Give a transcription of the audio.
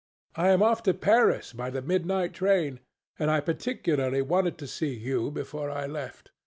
I am off to Paris by the midnight train, and I particularly wanted to see you before I left.